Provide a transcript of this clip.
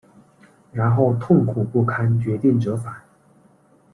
然后痛苦不堪决定折返